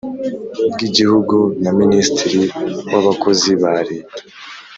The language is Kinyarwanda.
bw Igihugu na Minisitiri w Abakozi ba Leta